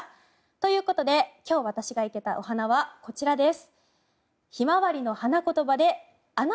ということで今日私が生けたお花はこちらです。